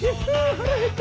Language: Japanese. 腹減った！